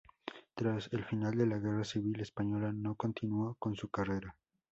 Tras el final de la Guerra Civil Española no continuó con su carrera.